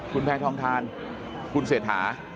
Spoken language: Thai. หรือคุณชายเกษม